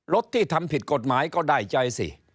ที่ทำผิดกฎหมายก็ได้ใจสิ